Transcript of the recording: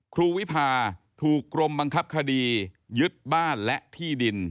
ครูวิพาถูกกรมบังคับคดียึดบ้านและที่ดิน